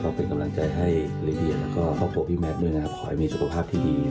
เป็นกำลังใจให้ละเอียดแล้วก็ครอบครัวพี่แมทด้วยนะครับขอให้มีสุขภาพที่ดี